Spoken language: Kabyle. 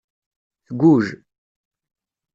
Tgujj.